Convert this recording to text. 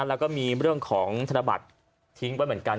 แล้วก็มีเรื่องของธนบัตรทิ้งไว้เหมือนกัน